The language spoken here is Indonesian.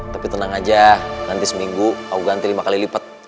tapi tenang aja nanti seminggu aku ganti lima kali lipat